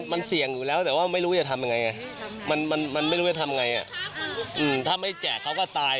มันเสี่ยงอยู่แล้วแต่ว่าไม่รู้จะทำยังไงมันไม่รู้จะทำไงถ้าไม่แจกเขาก็ตาย